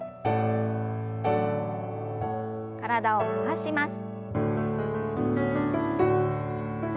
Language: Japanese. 体を回します。